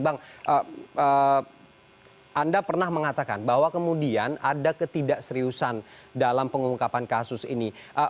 bang anda pernah mengatakan bahwa kemudian ada ketidakseriusan dalam pengungkapan kasus ini